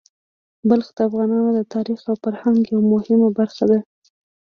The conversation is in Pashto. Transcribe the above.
بلخ د افغانانو د تاریخ او فرهنګ یوه مهمه برخه ده.